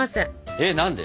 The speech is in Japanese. えっ何で？